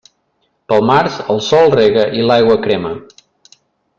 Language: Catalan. Pel març, el sol rega i l'aigua crema.